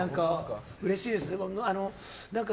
うれしいです。